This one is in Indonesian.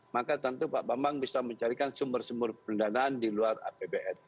maka tentu pak bambang bisa mencarikan sumber sumber pendanaan di luar apbn